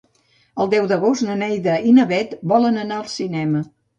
El deu d'agost na Neida i na Bet volen anar al cinema.